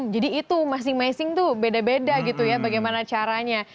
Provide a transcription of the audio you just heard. jadi itu masing masing tuh beda beda gitu ya bagaimana caranya